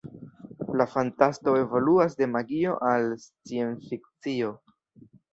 La fantasto evoluas de magio al sciencfikcio.